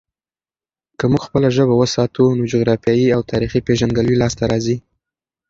که موږ خپله ژبه وساتو، نو جغرافیايي او تاريخي پیژندګلوي لاسته راځي.